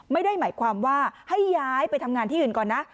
ไม่ได้หมายความว่าให้ย้ายไปทำงานที่อื่นก่อนนะ